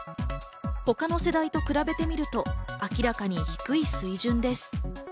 他の世代と比べてみると明らかに低い水準です。